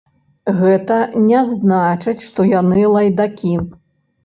Гэта не значыць, што яны лайдакі.